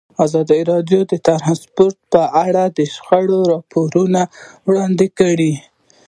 ازادي راډیو د ترانسپورټ په اړه د شخړو راپورونه وړاندې کړي.